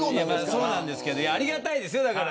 そうなんですけどありがたいですよ、だから。